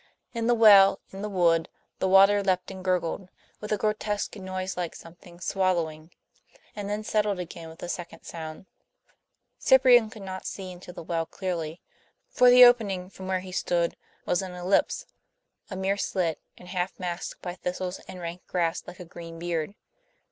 In the well, in the wood, the water leapt and gurgled, with a grotesque noise like something swallowing, and then settled again with a second sound. Cyprian could not see into the well clearly, for the opening, from where he stood, was an ellipse, a mere slit, and half masked by thistles and rank grass like a green beard.